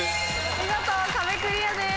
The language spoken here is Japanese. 見事壁クリアです。